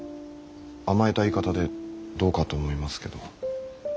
甘えた言い方でどうかと思いますけど。